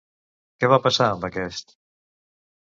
Què va passar amb aquest?